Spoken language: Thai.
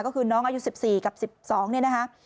ก็คือน้องอายุ๑๔กับ๑๒เนี่ยนะคะ